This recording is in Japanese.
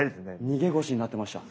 逃げ腰になってました。